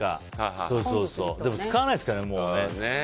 でも使わないですからね、もう。